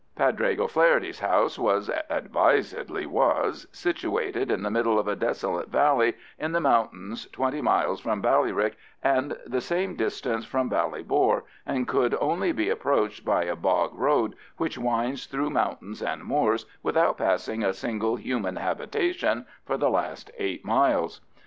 Padraig O'Faherty's house was (advisably was) situated in the middle of a desolate valley in the mountains twenty miles from Ballyrick and the same distance from Ballybor, and could only be approached by a bog road, which winds through mountains and moors without passing a single human habitation for the last eight miles.